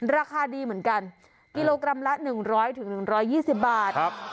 ราคาดีเหมือนกันกิโลกรัมละหนึ่งร้อยถึงหนึ่งร้อยยี่สิบบาทครับ